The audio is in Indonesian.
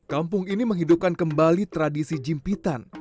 kampung ini menghidupkan kembali tradisi jimpitan